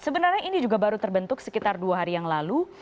sebenarnya ini juga baru terbentuk sekitar dua hari yang lalu